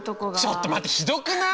ちょっと待ってひどくない！？